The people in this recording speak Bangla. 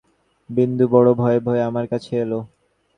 বিন্দু বড়ো ভয়ে ভয়ে আমার কাছে এল।